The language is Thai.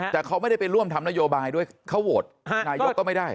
แต่เขาไม่ได้ไปร่วมทำนโยบายด้วยเขาโหวตนายกก็ไม่ได้